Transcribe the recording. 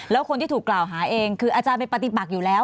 แล้วคนที่ถูกกล่าวหาเองคืออาจารย์ไปปฏิบัติอยู่แล้ว